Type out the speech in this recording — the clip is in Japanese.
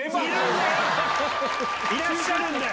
いらっしゃるんだよ！